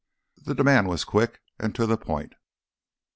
The demand was quick and to the point.